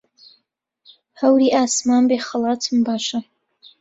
هەوری ئاسمان بێ خەڵاتم باشە